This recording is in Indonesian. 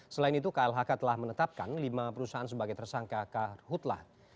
selain itu klhk telah menetapkan lima perusahaan sebagai tersangka karhutlah